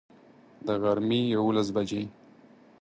د غرمي یوولس بجي